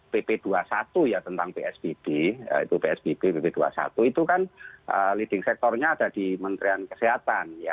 pp dua puluh satu ya tentang psbb itu kan leading sectornya ada di kementerian kesehatan